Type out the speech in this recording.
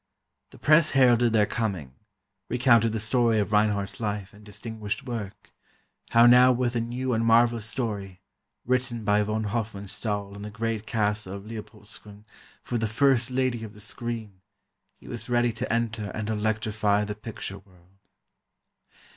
The press heralded their coming, recounted the story of Reinhardt's life, and distinguished work; how now with a new and marvelous story, written by von Hofmannsthal in the great castle of Leopoldskron, for the "first lady of the screen," he was ready to enter and electrify the picture world.